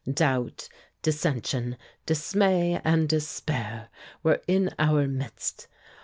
Doubt, dissension, dismay and despair were in our midst.